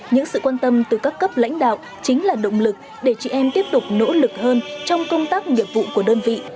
những sự quan tâm từ các cấp lãnh đạo chính là động lực để chị em tiếp tục nỗ lực hơn trong công tác nghiệp vụ của đơn vị